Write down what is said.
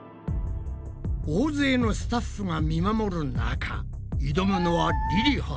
大勢のスタッフが見守る中挑むのはりりは。